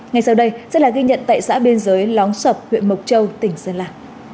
ngay sau đây sẽ là ghi nhận tại xã biên giới lóng sập huyện mộc châu tỉnh sơn la